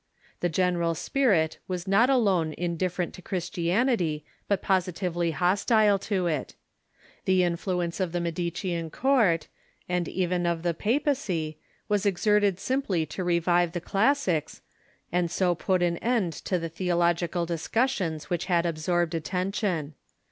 The general spirit was not alone indifferent to „,.. Christianity, but positively hostile to it. The in Religious •''^.•' Tendency fluence of the Medicean court, and even of the of utnanism pr^p^.j(,y^ ^y^g exerted simply to revive the classics, and so jDut an end to the theological discussions which had absorbed attention.